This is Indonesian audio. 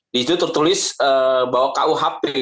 di situ tertulis bahwa kuhp